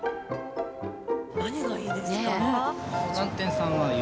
何がいいですか？